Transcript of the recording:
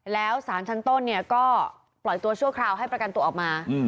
แล้วสารชั้นต้นเนี่ยก็ปล่อยตัวชั่วคราวให้ประกันตัวออกมา